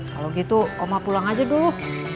kalau gitu oma pulang aja dulu